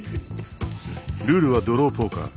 ルールはドローポーカー。